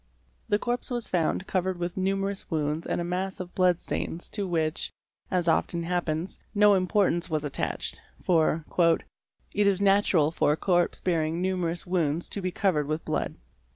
The corpse was found covered "with numerous wounds and a mass of blood stains to which, as often 560 TRACES OF BLOOD happens, no importance was attached, for 'it is natural for a corpse bearing numerous wounds to be covered with blood".